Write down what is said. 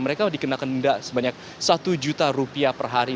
mereka dikenakan denda sebanyak satu juta rupiah per hari